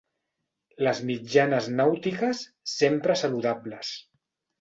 Les mitjanes nàutiques, sempre saludables.